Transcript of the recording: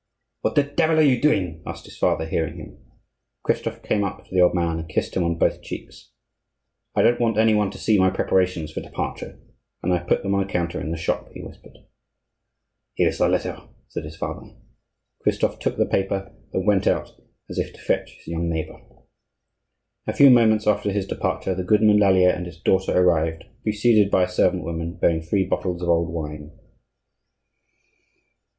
"What the devil are you doing?" asked his father, hearing him. Christophe came up to the old man and kissed him on both cheeks. "I don't want any one to see my preparations for departure, and I have put them on a counter in the shop," he whispered. "Here is the letter," said his father. Christophe took the paper and went out as if to fetch his young neighbor. A few moments after his departure the goodman Lallier and his daughter arrived, preceded by a servant woman, bearing three bottles of old wine.